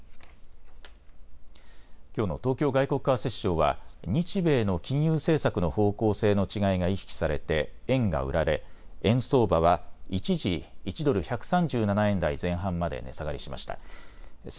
きょうの東京外国為替市場は日米の金融政策の方向性の違いが意識されて円が売られ円相場は一時、１ドル１３７円台前半まで値下がりしました。